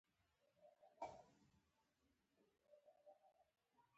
بوتل د ښوونځي شاګردانو ته شخصي ملکیت وي.